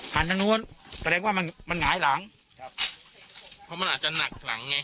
ทางนู้นแสดงว่ามันมันหงายหลังครับเพราะมันอาจจะหนักหลังไง